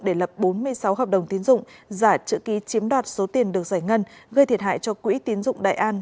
để lập bốn mươi sáu hợp đồng tiến dụng giả chữ ký chiếm đoạt số tiền được giải ngân gây thiệt hại cho quỹ tiến dụng đại an